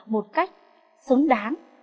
một cách xứng đáng